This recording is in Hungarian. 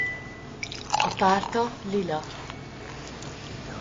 A párta lila.